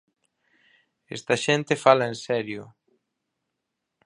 Esta xente fala en serio.